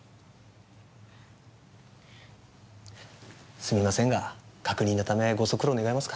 すみませんが確認のためご足労願えますか。